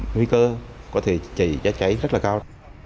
nguy cơ có thể cháy cháy rất là cao